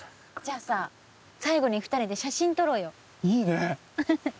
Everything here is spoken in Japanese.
あさ最後に２人で写真撮ろうよいいね